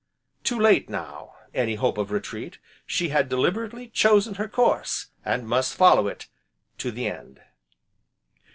Too late now, any hope of retreat, she had deliberately chosen her course, and must follow it to the end.